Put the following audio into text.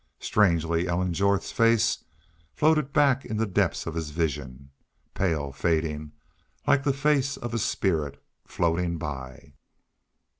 Strangely Ellen Jorth's face floated back in the depths of his vision, pale, fading, like the face of a spirit floating by.